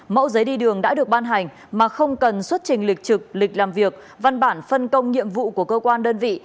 mẫu giấy đi đường đã được ban hành mà không cần xuất trình lịch trực lịch làm việc văn bản phân công nhiệm vụ của cơ quan đơn vị